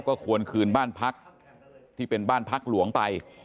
ก็ควรคืนบ้านพักที่เป็นบ้านพักหลวงไป